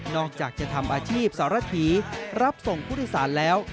นอกจากจะทำอาชีพสารทีรับส่งพุทธศาลแล้ว